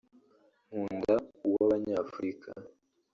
nkunda uw’Abanyafurika